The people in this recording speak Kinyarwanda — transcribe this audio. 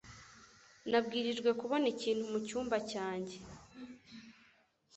Nabwirijwe kubona ikintu mu cyumba cyanjye